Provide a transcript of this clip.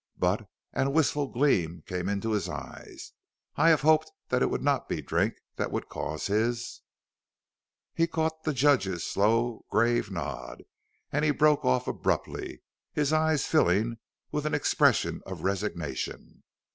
But " and a wistful gleam came into his eyes "I have hoped that it would not be drink that would cause his " He caught the judge's slow, grave nod and he broke off abruptly, his eyes filling with an expression of resignation.